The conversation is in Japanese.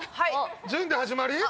潤で始まり。